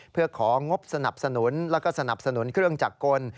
เพื่อของงบสนับสนุนแล้วก็สนับสนุนเครื่องจักรกล